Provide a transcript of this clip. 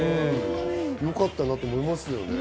よかったなと思いますよ。